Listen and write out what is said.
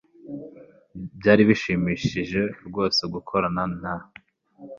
Byari bishimishije rwose gukorana na .